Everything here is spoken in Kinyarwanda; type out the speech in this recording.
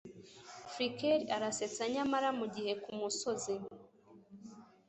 flicker arasetsa nyamara mugihe kumusozi